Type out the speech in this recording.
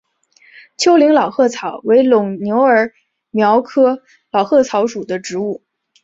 丘陵老鹳草为牻牛儿苗科老鹳草属的植物。